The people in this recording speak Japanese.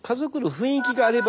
雰囲気があれば。